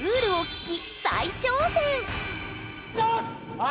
はい。